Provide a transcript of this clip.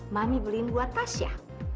mami beliin buat tasya